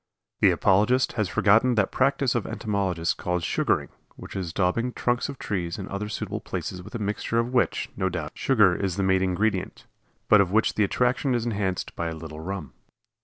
The apologist has forgotten that practice of entomologists called "sugaring," which is daubing trunks of trees and other suitable places with a mixture of which, no doubt, sugar is the main ingredient, but of which the attraction is enhanced by a little rum.